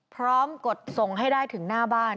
กดส่งให้ได้ถึงหน้าบ้าน